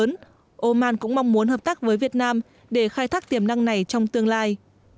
trong đó oman cũng mong muốn hợp tác với việt nam để khai thác tiềm năng này trong tương lai